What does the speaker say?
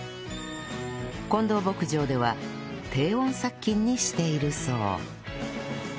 近藤牧場では低温殺菌にしているそう